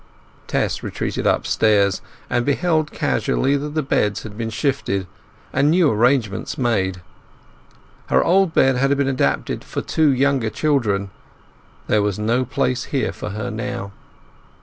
Tess retreated upstairs and beheld casually that the beds had been shifted, and new arrangements made. Her old bed had been adapted for two younger children. There was no place here for her now.